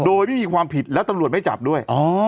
โดยไม่มีความผิดแล้วตำรวจไม่จับด้วย